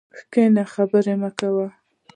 کښېنه خبري مه کوه!